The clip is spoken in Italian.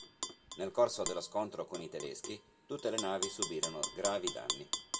Nel corso dello scontro con i tedeschi tutte le navi subirono gravi danni.